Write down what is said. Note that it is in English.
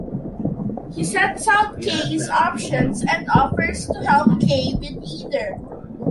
He sets out K.'s options and offers to help K. with either.